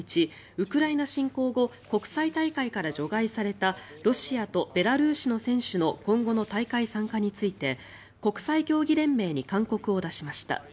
ウクライナ侵攻後国際大会から除外されたロシアとベラルーシの選手の今後の大会参加について国際競技連盟に勧告を出しました。